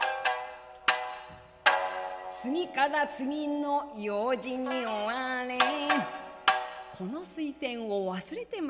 次から次の用事に追われこの水仙を忘れてました。